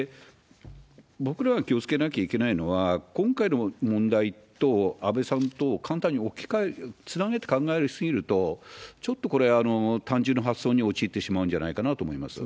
僕らが気をつけなきゃいけないのは、今回の問題と安倍さんとを簡単につなげて考え過ぎると、ちょっとこれ、単純な発想に陥ってしまうんじゃないかなと思います。